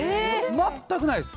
全くないです。